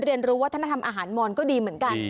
เรียนรู้วัฒนธรรมอาหารมอนก็ดีเหมือนกัน